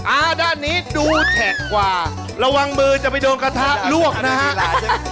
อ่าด้านนี้ดูแท็กกว่าระวังมือจะไปโดนกระทะลวกนะฮะ